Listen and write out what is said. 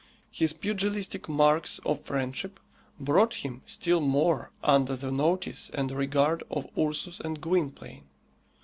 His pugilistic marks of friendship brought him still more under the notice and regard of Ursus and Gwynplaine.